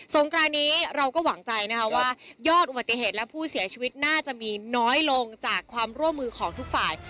งกรานนี้เราก็หวังใจนะคะว่ายอดอุบัติเหตุและผู้เสียชีวิตน่าจะมีน้อยลงจากความร่วมมือของทุกฝ่าย